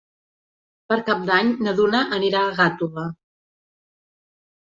Per Cap d'Any na Duna anirà a Gàtova.